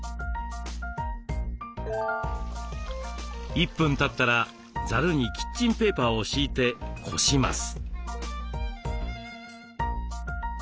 １分たったらザルにキッチンペーパーを敷いてこします。